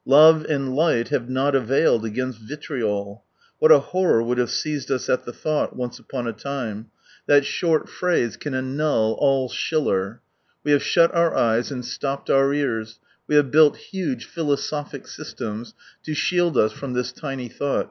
Love and light have not availed against vitrioL What a horror would have seized us at the thought, once upon a time! That short phrase 134 can annul all Schiller. We have shut our eyes and stopped our ears, we have built huge philosophic systems to shield us from this tiny thought.